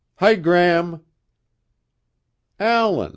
"Hi, Gram." "Allan!